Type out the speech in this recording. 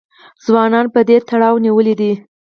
ځوانان یې په دې تړاو نیولي دي